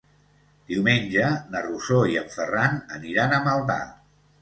Diumenge na Rosó i en Ferran aniran a Maldà.